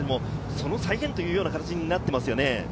その再現という形になってますね。